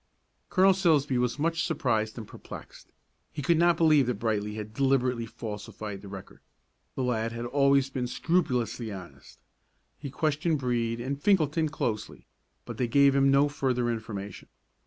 Colonel Silsbee was much surprised and perplexed. He could not believe that Brightly had deliberately falsified the record. The lad had always been scrupulously honest. He questioned Brede and Finkelton closely, but they gave him no further information.